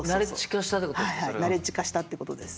はいはいナレッジ化したってことです。